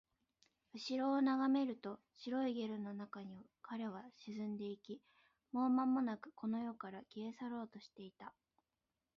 後ろを眺めると、白いゲルの中に彼は沈んでいき、もうまもなくこの世から消え去ろうとしていた